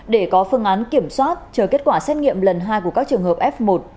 để có phương án kiểm soát chờ kết quả xét nghiệm lần hai của các trường hợp f một